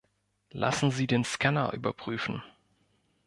Lassen Sie den Scanner überprüfen.